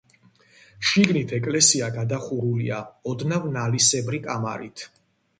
შიგნით ეკლესია გადახურულია ოდნავ ნალისებრი კამარით.